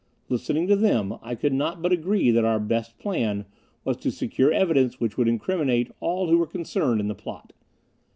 Listening to them I could not but agree that our best plan was to secure evidence which would incriminate all who were concerned in the plot.